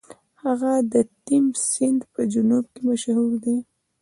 هغه د تیمس سیند په جنوب کې مشهور دی.